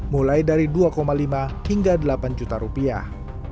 mulai dari dua lima hingga delapan juta rupiah